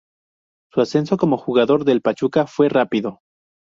Su ascenso como jugador del Pachuca fue rápido.